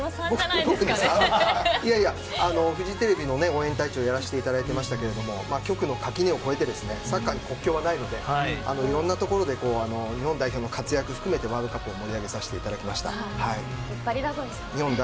いやいやフジテレビの応援隊長をやらせていただいてましたけど局の垣根を越えてサッカーに国境はないのでいろんなところで日本代表の活躍を含めてワールドカップを盛り上げさせていただきました。